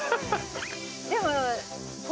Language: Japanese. でも。